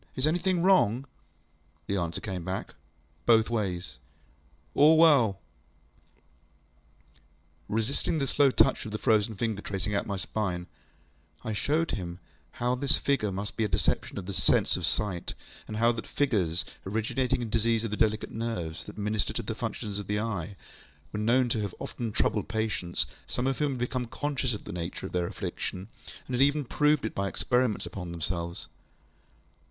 Is anything wrong? ŌĆÖ The answer came back, both ways, ŌĆśAll well. ŌĆÖŌĆØ Resisting the slow touch of a frozen finger tracing out my spine, I showed him how that this figure must be a deception of his sense of sight; and how that figures, originating in disease of the delicate nerves that minister to the functions of the eye, were known to have often troubled patients, some of whom had become conscious of the nature of their affliction, and had even proved it by experiments upon themselves.